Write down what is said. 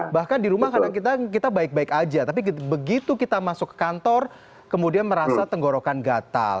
bahkan di rumah kadang kita baik baik aja tapi begitu kita masuk ke kantor kemudian merasa tenggorokan gatal